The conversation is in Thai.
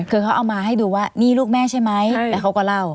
คือเขาเอามาให้ดูว่านี่ลูกแม่ใช่ไหมแล้วเขาก็เล่า